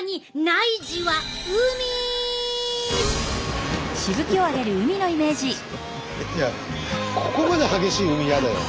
いやここまで激しい海嫌だよ。